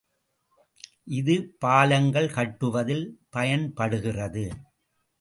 இது பாலங்கள் கட்டுவதில் பயன்படுகிறது.